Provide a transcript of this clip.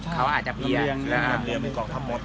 เขาอาจจะเพียง